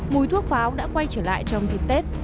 mùi thuốc pháo đã quay trở lại trong dịp tết